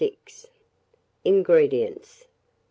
INGREDIENTS.